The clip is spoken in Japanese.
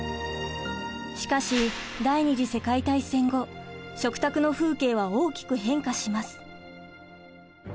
しかし第２次世界大戦後食卓の風景は大きく変化します。